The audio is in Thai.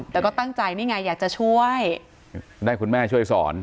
แต่ก็ตั้งใจนี่ไงอยากจะช่วยได้คุณแม่ช่วยสอน